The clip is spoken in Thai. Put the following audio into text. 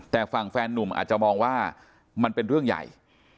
แต่ฝั่งแฟนนุ่มอาจจะมองว่ามันเป็นเรื่องใหญ่